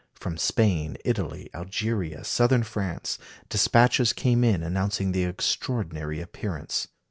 From Spain, Italy, Algeria, Southern France, despatches came in announcing the extraordinary appearance.